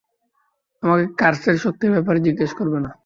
আমাকে কার্সের শক্তির ব্যাপারে জিজ্ঞেস করবে না।